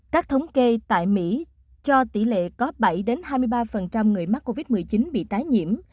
các thống kê tại mỹ cho tỷ lệ có bảy hai mươi ba người mắc covid một mươi chín bị tái nhiễm